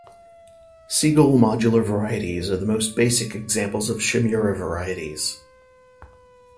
Siegel modular varieties are the most basic examples of Shimura varieties.